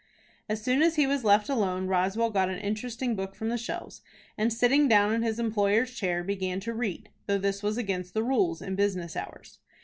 As soon as he was left alone, Roswell got an interesting book from the shelves, and, sitting down in his employer's chair, began to read, though this was against the rules in business hours.